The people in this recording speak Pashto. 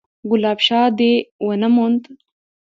_ګلاب شاه دې ونه موند؟